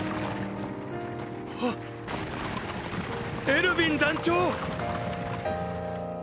エルヴィン団長！！